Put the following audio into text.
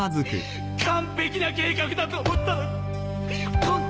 完璧な計画だと思ったのに！